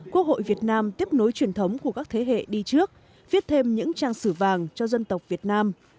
quốc hội việt nam tiếp nối truyền thống của các thế hệ đi trước viết thêm những trang sử vàng cho dân tộc việt nam